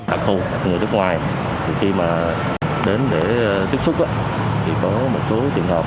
các khu người nước ngoài khi mà đến để tiếp xúc thì có một số trường hợp